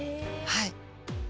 はい。